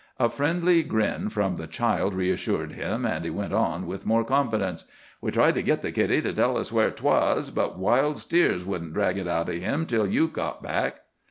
A friendly grin from the child reassured him, and he went on with more confidence: "We tried to git the kiddie to tell us where 'twas, but wild steers wouldn't drag it out o' him till you got back."